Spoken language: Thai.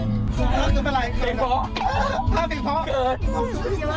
เกิน